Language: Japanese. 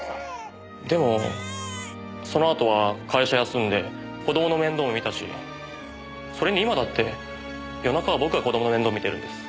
でもそのあとは会社休んで子供の面倒も見たしそれに今だって夜中は僕が子供の面倒見てるんです。